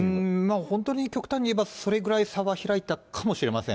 本当に極端に言えばそれぐらい差が開いたかもしれません。